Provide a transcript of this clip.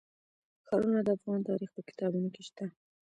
ښارونه د افغان تاریخ په کتابونو کې شته.